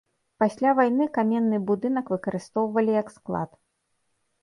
Пасля вайны каменны будынак выкарыстоўвалі як склад.